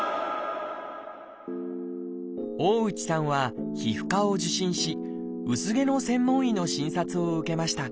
大内さんは皮膚科を受診し薄毛の専門医の診察を受けました。